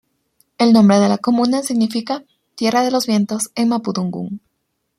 El nombre de la comuna significa "tierra de los vientos" en mapudungun.